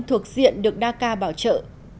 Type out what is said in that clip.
thuộc diện được daca bảo trợ